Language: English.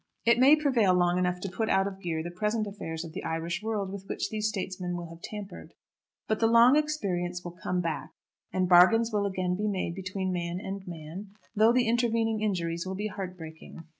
It may prevail long enough to put out of gear the present affairs of the Irish world with which these statesmen will have tampered. But the long experience will come back, and bargains will again be made between man and man, though the intervening injuries will be heartbreaking.